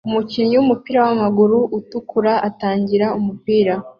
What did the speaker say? Umukinnyi wumupira wamaguru utukura atangira umupira